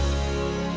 jika aku berhasil